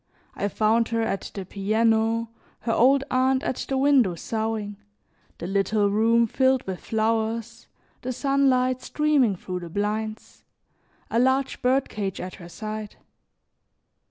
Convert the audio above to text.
I found her at the piano, her old aunt at the window sewing, the little room filled with flowers, the sunlight streaming through the blinds, a large bird cage at her side.